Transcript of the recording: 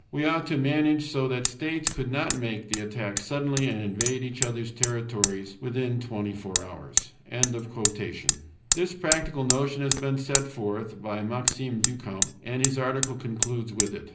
"We ought to manage so that states could not make the attack suddenly and invade each other's territories within twenty four hours." This practical notion has been put forth by Maxime du Camp, and his article concludes with it.